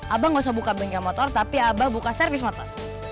abang nggak usah buka bengkel motor tapi abah buka servis motor